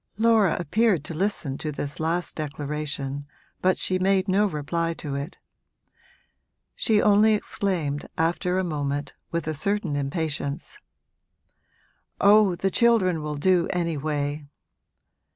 Laura appeared to listen to this last declaration, but she made no reply to it; she only exclaimed after a moment, with a certain impatience, 'Oh, the children will do anyway!'